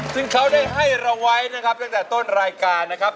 ซึ่งเขาได้ให้เราไว้นะครับตั้งแต่ต้นรายการนะครับ